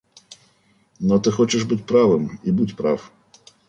Но ты хочешь быть правым, и будь прав.